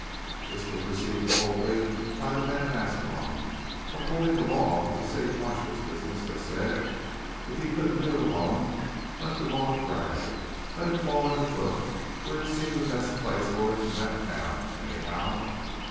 This was received coldly by the men of Ascalon. Upholding the law was the city marshal's business, they said. If he couldn't do it alone, let the law drag; let it fall underfoot, where it seemed the best place for it in that town, anyhow.